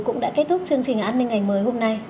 cũng đã kết thúc chương trình an ninh ngày mới hôm nay